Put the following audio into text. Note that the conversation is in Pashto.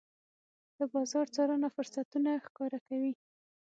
د بازار څارنه فرصتونه ښکاره کوي.